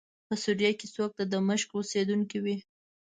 په سوریه کې څوک د دمشق اوسېدونکی وي.